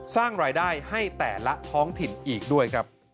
สร้างรายได้ให้แต่ละท้องถิ่นอีกด้วยครับ